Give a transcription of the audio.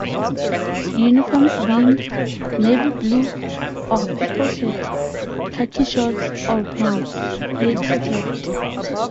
Uniforms being; navy blue or purple shirt, khaki shorts or pants, plaid skirt.